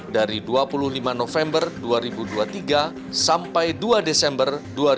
dari dua puluh lima november dua ribu dua puluh tiga sampai dua desember dua ribu dua puluh